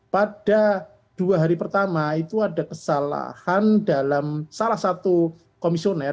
pada dua hari pertama itu ada kesalahan dalam salah satu komisioner